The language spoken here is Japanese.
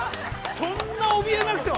そんなおびえなくても。